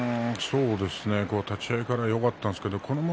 立ち合いからよかったですね。